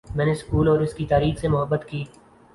میں نے سکول اور اس کی تاریخ سے محبت کی